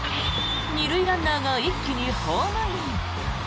２塁ランナーが一気にホームイン。